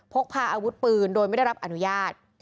พกพาอาวุธปืนโดยไม่ได้รับอนุญาต